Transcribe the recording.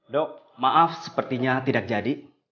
dok maaf sepertinya tidak jadi